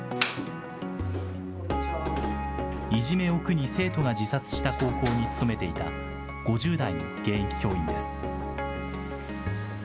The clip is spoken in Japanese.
いじめを苦に生徒が自殺した高校に勤めていた５０代の現役教員です。